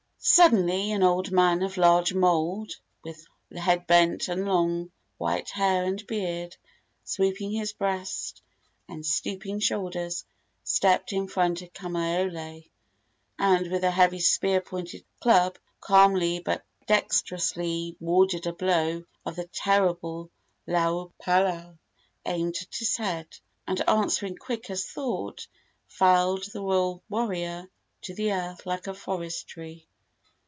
Suddenly an old man of large mould, with head bent and long, white hair and beard sweeping his breast and stooping shoulders, stepped in front of Kamaiole, and with a heavy spear pointed club calmly but dexterously warded a blow of the terrible laau palau aimed at his head, and, answering quick as thought, felled the royal warrior to the earth like a forest tree.